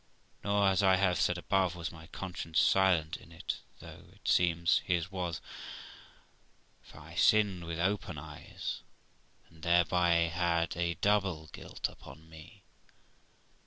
Nor, as I have said above, was my conscience silent in it, though it seems his was; for I sinned with open eyes, and thereby had a double guilt upon me.